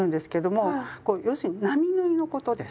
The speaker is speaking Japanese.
こう要するに並縫いのことです。